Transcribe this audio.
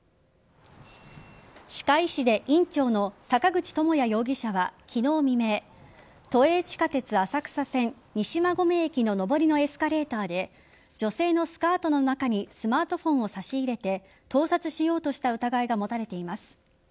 歯科医師で院長の坂口智哉容疑者は昨日未明都営地下鉄浅草線西馬込駅の上りのエスカレーターで女性のスカートの中にスマートフォンを差し入れて盗撮しようとした疑いが持たれています。